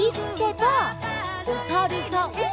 おさるさん。